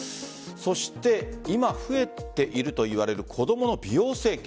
そして、今増えているといわれる子供の美容整形。